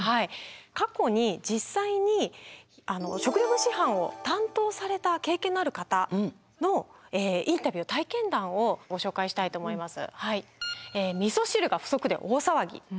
過去に実際に食料物資班を担当された経験のある方のインタビュー体験談をご紹介したいと思います。